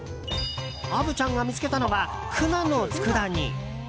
虻ちゃんが見つけたのはフナのつくだ煮。